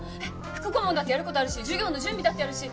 副顧問だってやる事あるし授業の準備だってあるし